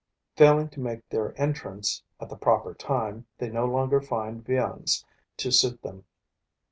Failing to make their entrance at the proper time, they no longer find viands to suit them.